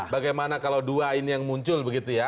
bagaimana kalau dua ini yang muncul begitu ya